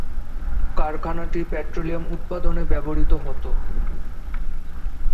কারখানাটি পেট্রোলিয়াম উৎপাদনে ব্যবহৃত হতো।